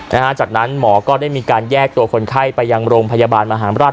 นะฮะจากนั้นหมอก็ได้มีการแยกตัวคนไข้ไปยังโรงพยาบาลมหาราช